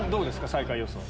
最下位予想。